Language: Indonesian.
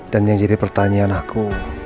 dan yang jadi pertanyaan aku